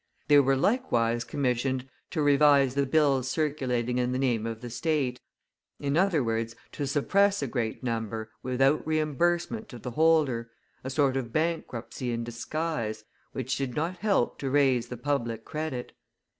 They were likewise commissioned to revise the bills circulating in the name of the state, in other words, to suppress a great number without re imbursement to the holder, a sort of bankruptcy in disguise, which did not help to raise the public credit.